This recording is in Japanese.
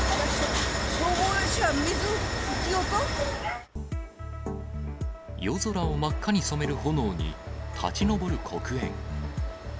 消防車、夜空を真っ赤に染める炎に立ち上る黒煙。